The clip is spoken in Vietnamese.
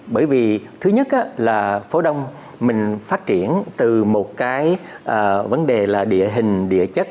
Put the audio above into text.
bởi vì thứ nhất là phố đông mình phát triển từ một cái vấn đề là địa hình địa chất